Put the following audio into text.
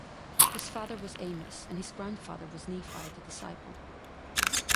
His father was Amos, and his grandfather was Nephi the Disciple.